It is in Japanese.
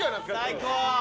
最高！